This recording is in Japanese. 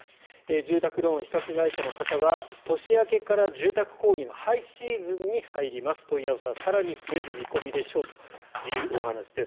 住宅ローン比較会社の方は年明けから住宅購入のハイシーズンに入ります問い合わせは更に増える見込みでしょうというお話です。